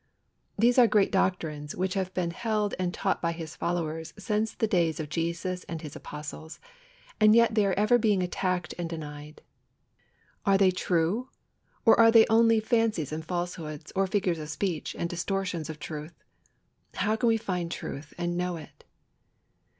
These are great doctrines which have been held and taught by His followers since the days of Jesus and His Apostles, and yet they are ever being attacked and denied. Are they true? Or are they only fancies and falsehoods, or figures of speech and distortions of truth? How can we find truth and know it?